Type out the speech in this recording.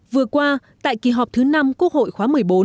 vừa qua tại kỳ họp thứ năm quốc hội khóa một mươi bốn